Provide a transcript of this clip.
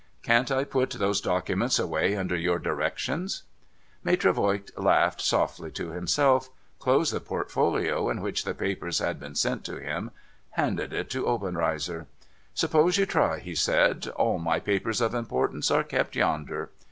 ' Can't I put those documents away under your directions ?' Maitre Voigt laughed softly to himself; closed the portfolio in which the papers had been sent to him ; handed it to Obenreizer. ' Suppose you try,' he said. ' All my papers of importance are kept yonder.'